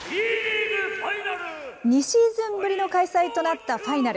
２シーズンぶりの開催となったファイナル。